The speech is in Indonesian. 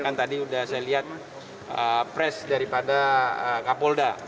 kan tadi sudah saya lihat press daripada kapolda